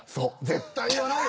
絶対言わないよね。